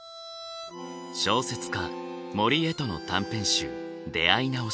小説家森絵都の短編集「出会いなおし」。